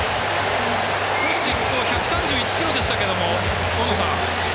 １３１キロでしたけど、大野さん。